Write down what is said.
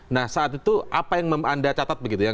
nah saat itu apa yang anda catat begitu ya